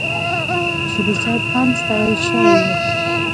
اصولي صیب هم ستړی شوی و.